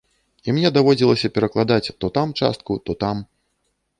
І мне даводзілася перакладаць, то там частку, то там.